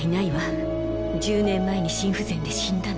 １０年前に心不全で死んだの。